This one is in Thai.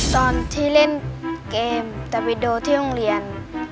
ตอนที่เล่นเกมตะวิโดที่โรงเรียน